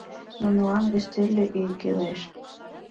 Нунылан вестӱрлӧ ӱй кӱлеш.